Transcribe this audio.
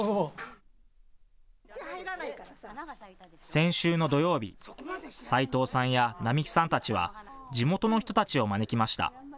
先週の土曜日、斉藤さんや並木さんたちは地元の人たちを招きました。